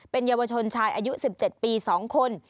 เป็นเยาวชนชายอายุ๑๗ปี๒คน